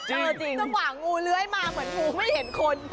จังหวะงูเลื้อยมาเหมือนงูไม่เห็นคน